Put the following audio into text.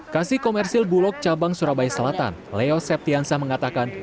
kasih komersil bulog cabang surabaya selatan leo septiansa mengatakan